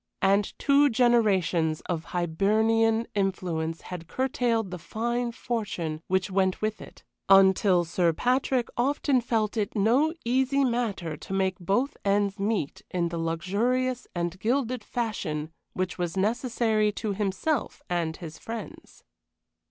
And two generations of Hibernian influence had curtailed the fine fortune which went with it, until Sir Patrick often felt it no easy matter to make both ends meet in the luxurious and gilded fashion which was necessary to himself and his friends.